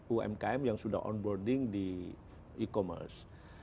umkm yang sudah on boarding di e commerce